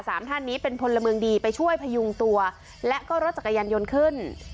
สามท่านนี้เป็นพลเมืองดีไปช่วยพยุงตัวและก็รถจักรยานยนต์ขึ้น